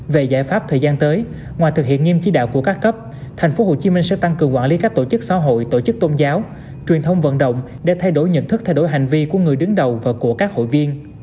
về giải pháp thời gian tới ngoài thực hiện nghiêm chí đạo của các cấp tp hcm sẽ tăng cường quản lý các tổ chức xã hội tổ chức tôn giáo truyền thông vận động để thay đổi nhận thức thay đổi hành vi của người đứng đầu và của các hội viên